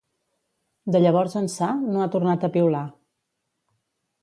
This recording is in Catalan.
De llavors ençà, no ha tornat a piular.